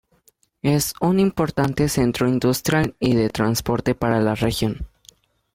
Es un importante centro industrial y de transporte para la región.